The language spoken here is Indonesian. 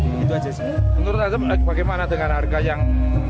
menurut anda bagaimana dengan harga yang